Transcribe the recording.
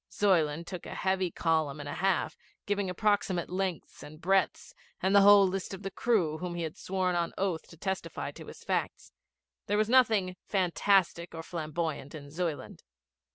Zuyland took a heavy column and a half, giving approximate lengths and breadths, and the whole list of the crew whom he had sworn on oath to testify to his facts. There was nothing fantastic or flamboyant in Zuyland.